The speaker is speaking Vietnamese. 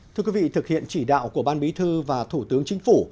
thưa quý vị thực hiện chỉ đạo của ban bí thư và thủ tướng chính phủ